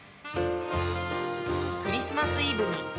［クリスマスイブに］